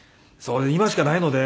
今しかないので。